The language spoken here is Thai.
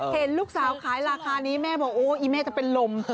เห็นลูกสาวขายราคานี้แม่บอกโอ้อีเม่จะเป็นลม